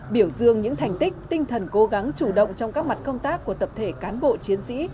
biểu dương những thành tích tinh thần cố gắng chủ động trong các mặt công tác của tập thể cán bộ chiến sĩ